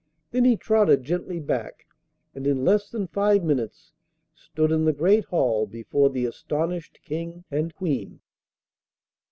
Then he trotted gently back, and in less than five minutes stood in the great hall before the astonished King and Queen.